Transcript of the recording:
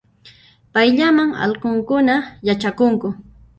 Payllaman allqunkuna yachakunku